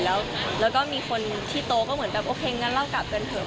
แล้วก็มีคนที่โตก็เหมือนแบบโอเคงั้นเรากลับกันเถอะ